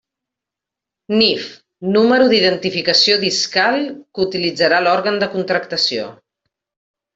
NIF: número d'identificació discal que utilitzarà l'òrgan de contractació.